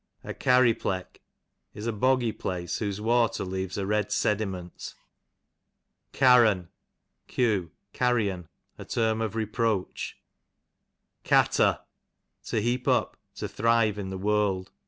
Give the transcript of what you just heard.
A Carry pleck, is a boggy place whose water leaves a red sedi ment. Carron, q. carrion, a term of reproach. Catter, to heap up, to thrive in the world.